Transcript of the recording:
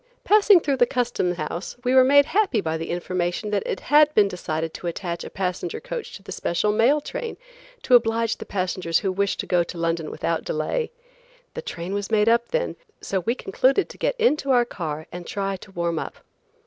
Passing through the custom house we were made happy by the information that it had been decided to attach a passenger coach to the special mail train to oblige the passengers who wished to go to London without delay. The train was made up then, so we concluded to get into our car and try to warm up.